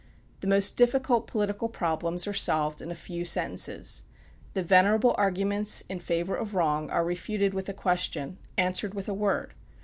The most difficult political problems are solved in a few sentences. The venerable arguments in favor of wrong are refuted with a question answered with a word.